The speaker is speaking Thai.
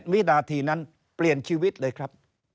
วินาทีนั้นเปลี่ยนชีวิตเลยครับ